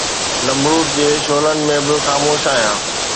نمرود جي شعلن ۾ به خاموش آهيان